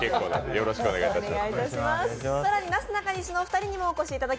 よろしくお願いします